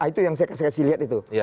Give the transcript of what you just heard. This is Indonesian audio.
itu yang saya kasih lihat itu